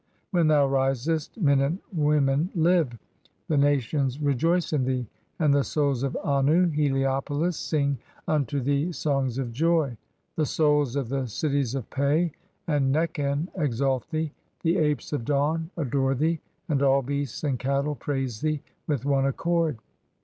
When thou risest, men and women live. (4) The "nations rejoice in thee, and the Souls of Annu (Heliopolis) sing "unto thee songs of joy. (5) The souls of the cities of Pe and "Nekhen exalt thee, the apes of dawn adore thee, and (6) all beasts "and cattle praise thee with one accord.